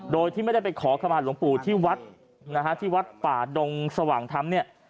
โดยที่ไม่ได้ไปขอข้อมาหลวงปู่ที่วัดป่าดงสว่างทำ